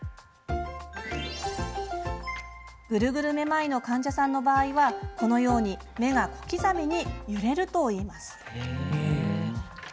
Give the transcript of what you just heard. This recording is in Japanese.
グルグルめまいの患者さんの場合はこのように目が小刻みに揺れるといいます。